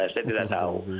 saya tidak tahu